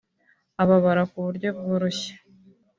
ababara ku buryo bworoshye